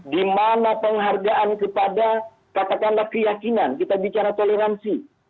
di mana penghargaan kepada katakanlah keyakinan kita bicara toleransi